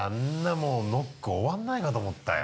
もうノック終わらないかと思ったよ。